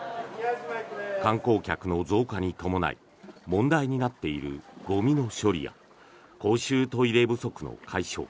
観光客の増加に伴い問題になっているゴミの処理や公衆トイレ不足の解消